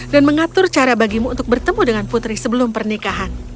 dan mengatur cara bagimu untuk bertemu dengan putri sebelum pernikahan